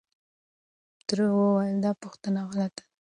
تره وويل چې دا پوښتنه غلطه ده.